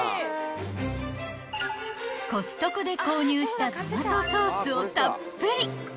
［コストコで購入したトマトソースをたっぷり］